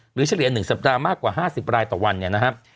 เฉลี่ย๑สัปดาห์มากกว่า๕๐รายต่อวันเนี่ยนะครับ